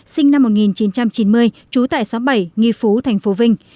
sinh năm một nghìn chín trăm chín mươi trú tại xóm bảy nghi phú thành phố vinh